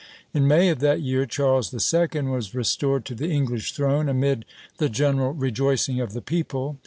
In May of that year Charles II. was restored to the English throne amid the general rejoicing of the people.